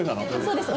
そうです。